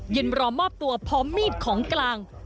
รอมอบตัวพร้อมมีดของกลาง